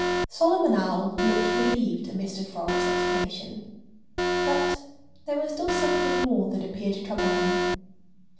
Solomon Owl looked relieved at Mr. Frog's explanation. But there was still something more that appeared to trouble him.